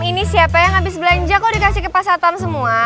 ini siapa yang abis belanja kok dikasih ke pak satam semua